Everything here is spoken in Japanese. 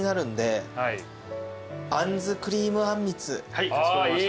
はいかしこまりました。